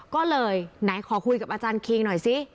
ก็เลยไหนขอคุยกับอาจารย์คิงหน่อยสิ